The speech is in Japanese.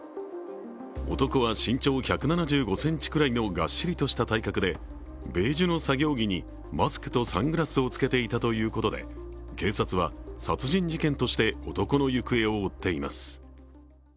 男は身長１７５ｃｍくらいのがっしりとした体格でベージュの作業着にマスクとサングラスをつけていたということで警察は殺人事件として男の行方を追っています。